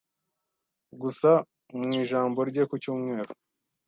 Gusa mu ijambo rye ku cyumweru,